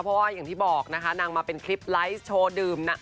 เพราะว่าอย่างที่บอกนะคะนางมาเป็นคลิปไลฟ์โชว์ดื่ม